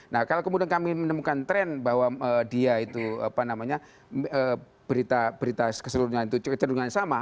nah kalau kemudian kami menemukan trend bahwa dia itu apa namanya berita keseluruhan itu cenderungannya sama